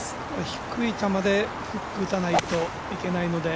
低い球でフックを打たないといけないので。